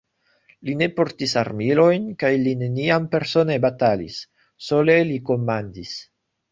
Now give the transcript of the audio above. Li ne portis armilojn kaj li neniam persone batalis, sole li komandis.